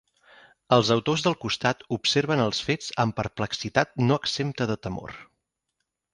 Els autors del costat observen els fets amb perplexitat no exempta de temor.